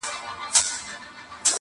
د عذاب علت یې کش کړ په مشوکي-